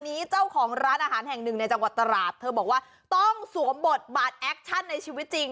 เจ้าของร้านอาหารแห่งหนึ่งในจังหวัดตราดเธอบอกว่าต้องสวมบทบาทแอคชั่นในชีวิตจริง